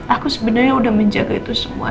aku sebenarnya udah menjaga itu semua